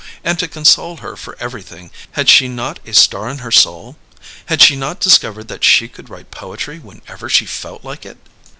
And to console her for everything, had she not a star in her soul? Had she not discovered that she could write poetry whenever she felt like it?